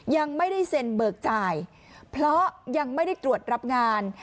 ยังไม่ได้เซ็นเบิกจ่ายเพราะยังไม่ได้ตรวจรับงาน